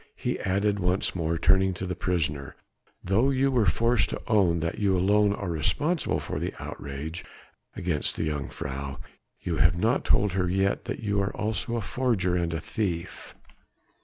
he added once more turning to the prisoner, "though you were forced to own that you alone are responsible for the outrage against the jongejuffrouw, you have not told her yet that you are also a forger and a thief."